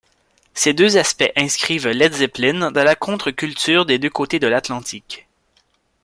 Ces deux aspects inscrivent Led Zeppelin dans la contreculture des deux côtés de l’Atlantique.